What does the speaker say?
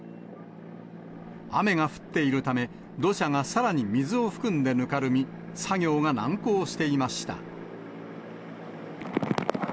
雨が降っているため、土砂がさらに水を含んでぬかるみ、作業が難航していました。